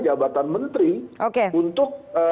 jabatan menteri untuk